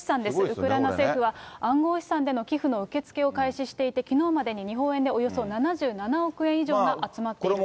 ウクライナ政府は暗号資産での寄付の受け付けを開始していて、きのうまでに、日本円でおよそ７７億円以上が集まっていると。